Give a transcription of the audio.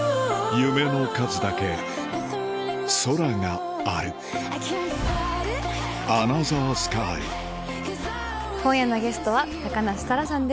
夢の数だけ空がある今夜のゲストは梨沙羅さんです。